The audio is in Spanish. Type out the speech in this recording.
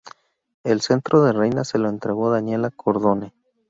El cetro de reina se lo entregó Daniela Cardone.